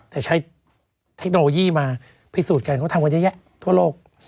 แต่ใช้เทคโนโลยีมาพิสูจน์กันเขาทำกันเยอะแยะทั่วโลก